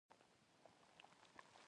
آیا دا ټول حقونه دي؟